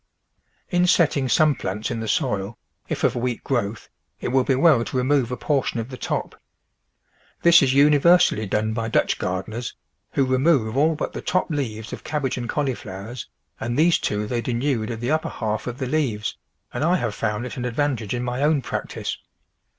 In setting some plants in the soil, if of weak growth, it will be well to remove a portion of the top. This is universally done by Dutch gardeners, TRANSPLANTING who remove all but the top leaves of cabbage and cauliflowers, and these two they denude of the upper half of the leaves, and I have found it an advantage in my own practice.